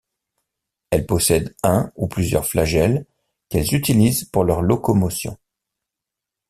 Elles possèdent un ou plusieurs flagelles qu'elles utilisent pour leur locomotion.